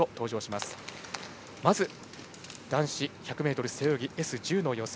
まず男子１００ｍ背泳ぎＳ１０の予選。